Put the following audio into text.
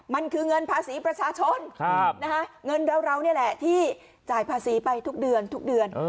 มันคือเงินภาษีประชาชนเงินเรานี่แหละที่จ่ายภาษีไปทุกเดือนทุกเดือน